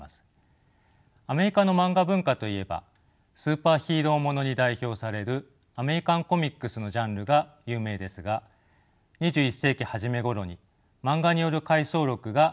アメリカのマンガ文化といえばスーパーヒーロー物に代表されるアメリカンコミックスのジャンルが有名ですが２１世紀初め頃にマンガによる回想録が新しい潮流を示していました。